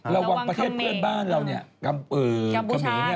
ระวังประเภทเพื่อนบ้านเราเนี่ย